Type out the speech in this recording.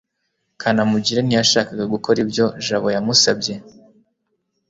kanamugire ntiyashakaga gukora ibyo jabo yamusabye